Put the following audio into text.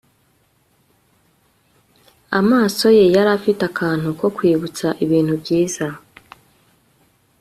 Amaso ye yari afite akantu ko kwibutsa ibintu byiza